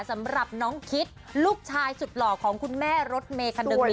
สำหรับน้องคิดลูกชายสุดหล่อของคุณแม่รถเมคันหนึ่ง